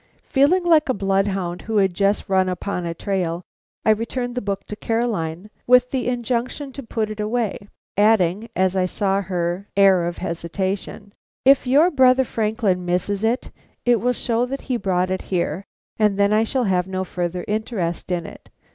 Feeling like a bloodhound who has just run upon a trail, I returned the book to Caroline, with the injunction to put it away; adding, as I saw her air of hesitation: "If your brother Franklin misses it, it will show that he brought it here, and then I shall have no further interest in it."